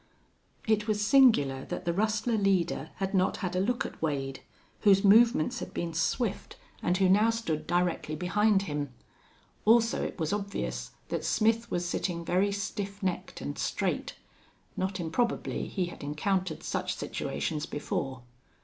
It was singular that the rustler leader had not had a look at Wade, whose movements had been swift and who now stood directly behind him. Also it was obvious that Smith was sitting very stiff necked and straight. Not improbably he had encountered such situations before.